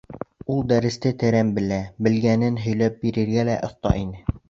Ул дәресте тәрән белә, белгәнен һөйләп бирергә лә оҫта ине.